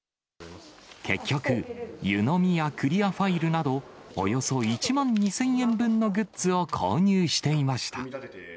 結局、湯飲みやクリアファイルなど、およそ１万２０００円分のグッズを購入していました。